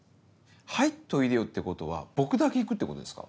「入っておいでよ」ってことは僕だけ行くってことですか？